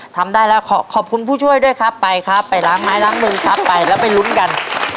ทำได้แล้วขอขอบคุณผู้ช่วยด้วยครับไปครับไปล้างไม้ล้างมือครับไปแล้วไปลุ้นกัน